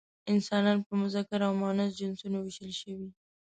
انسانان په مذکر او مؤنث جنسونو ویشل شوي.